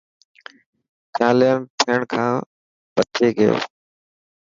چالان ٿيڻ کان بچي گيو.